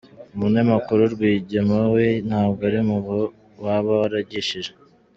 Umunyamakuru: Rwigema we ntabwo ari mu bo waba warigishije?.